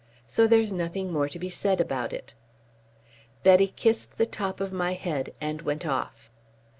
So there's nothing more to be said about it." Betty kissed the top of my head and went off.